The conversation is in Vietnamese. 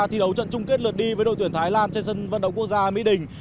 thi đấu trận chung kết lượt đi với đội tuyển thái lan trên sân vận động quốc gia mỹ đình